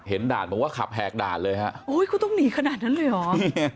ด่านบอกว่าขับแหกด่านเลยฮะโอ้ยเขาต้องหนีขนาดนั้นเลยเหรอ